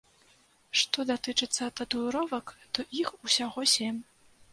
Што датычыцца татуіровак, то іх усяго сем.